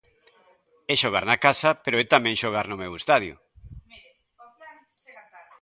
É xogar na casa pero é tamén xogar no meu estadio.